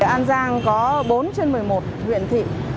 an giang có bốn trên một mươi một huyện thị